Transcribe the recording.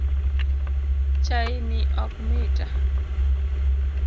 Chai ni ok mita